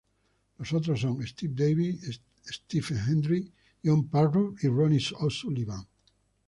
Los otros son: Steve Davis, Stephen Hendry, John Parrott y Ronnie O'Sullivan.